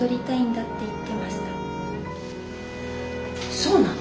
そうなの？